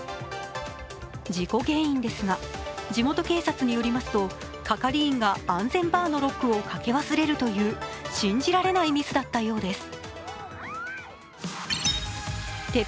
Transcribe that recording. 事故原因ですが、地元警察によりますと、係員が安全バーのロックをかけ忘れるという信じられないミスだったようです。